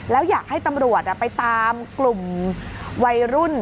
แล้วอยากให้ตำรวจไปตามกลุ่มวัยรุ่น